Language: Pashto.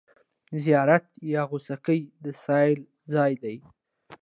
زیارت یا غوڅکۍ د سېل ځای دی.